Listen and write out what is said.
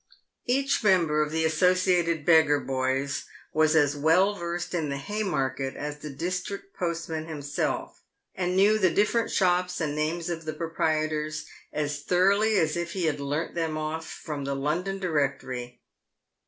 Each member of the associated beggar boys was" as well versed in the Haymarket as the district postman himself, and knew the different shops and the names of the proprietors as thoroughly as if he bad learnt them off from the " London Directory."